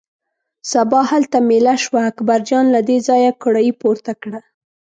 سبا هلته مېله شوه، اکبرجان له دې ځایه کړایی پورته کړه.